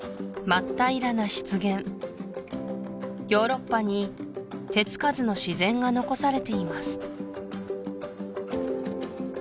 真っ平らな湿原ヨーロッパに手つかずの自然が残されています